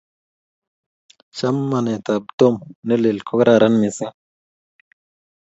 Chamanetab Tom ne lel ko kararan missing